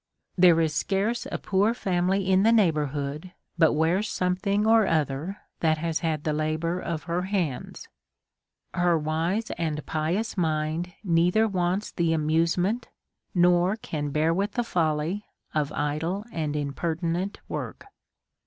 There is scarce a poor family in the neighbourhood but wears something' or other that has had the labour of her hands. Her wise and pious mind neither wants the amusement, nor can bear with the folly of idle and impertinent work.